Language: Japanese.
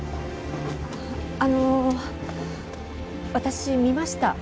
あの私見ました。